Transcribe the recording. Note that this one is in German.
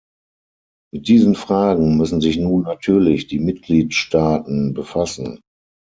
Mit diesen Fragen müssen sich nun natürlich die Mitgliedstaaten befassen.